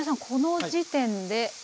この時点で。